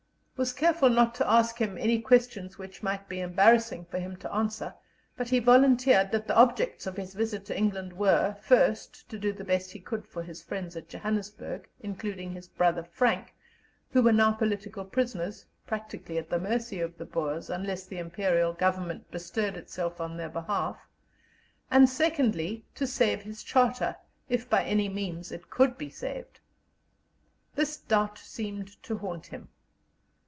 " was careful not to ask him any questions which might be embarrassing for him to answer, but he volunteered that the objects of his visit to England were, first, to do the best he could for his friends at Johannesburg, including his brother Frank, who were now political prisoners, practically at the mercy of the Boers, unless the Imperial Government bestirred itself on their behalf; and, secondly, to save his Charter, if by any means it could be saved. This doubt seemed to haunt him.